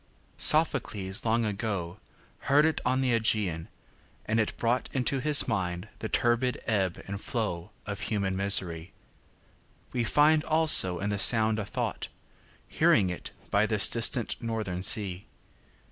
Sophocles long agoHeard it on the Ægæan, and it broughtInto his mind the turbid ebb and flowOf human misery; weFind also in the sound a thought, Hearing it by this distant northern sea.